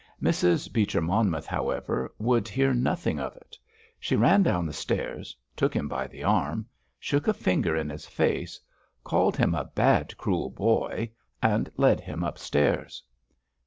Mrs. Beecher Monmouth, however, would hear nothing of it. She ran down the stairs, took him by the arm, shook a finger in his face, called him a "bad, cruel boy," and led him upstairs.